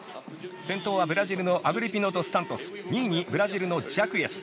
先頭は、ブラジルのアグリピノドスサントス２位にブラジルのジャクエス。